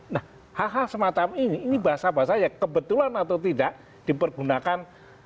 nah hal hal semacam ini ini bahasa bahasa yang kebetulan atau tidak dipergunakan